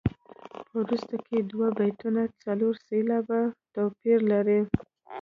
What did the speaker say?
په وروسته کې دوه بیتونه څلور سېلابه توپیر لري.